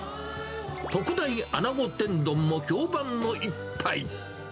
特大あなご天丼も評判の一杯。